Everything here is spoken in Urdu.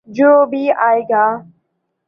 جو بھی آئے گا۔